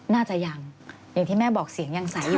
น่าจะยังอย่างที่แม่บอกเสียงยังใสอยู่